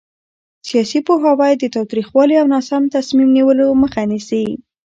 سیاسي پوهاوی د تاوتریخوالي او ناسم تصمیم نیولو مخه نیسي